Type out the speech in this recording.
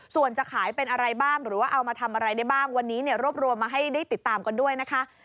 ส่วนจะขายเป็นอะไรบ้างหรือว่าเอามาทำอะไรได้บ้างวันนี้เนี่ยรวบรวมมาให้ได้ติดตามกันด้วยนะคะ